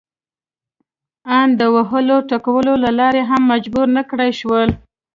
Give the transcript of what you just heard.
ان د وهلو ټکولو له لارې هم مجبور نه کړای شول.